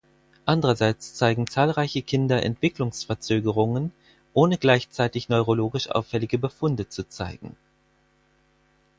Andererseits zeigen zahlreiche Kinder Entwicklungsverzögerungen ohne gleichzeitig neurologisch auffällige Befunde zu zeigen.